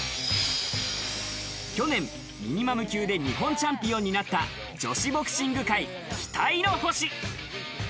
去年、ミニマム級で日本チャンピオンになった、女子ボクシング界、期待の星。